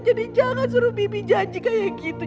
jadi jangan suruh bibi janji kayak gitu